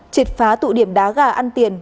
chịt phá tụ điểm đá gà ăn tiền